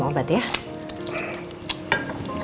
julmu repet hari ini